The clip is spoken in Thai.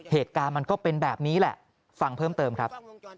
เหตุการณ์มันก็เป็นแบบนี้แหละฟังเพิ่มเติมครับ